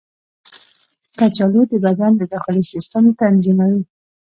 کچالو د بدن د داخلي سیسټم تنظیموي.